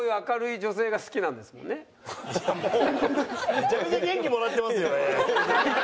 めちゃくちゃ元気もらってます